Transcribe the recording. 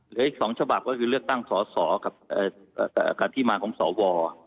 เหลืออีก๒ฉบับก็คือเลือกตั้งสอสอกับที่มาของสว